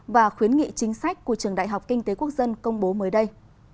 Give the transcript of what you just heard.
và khuyến nghị chính sách của trường đại học kinh tế quốc dân công bố mới đây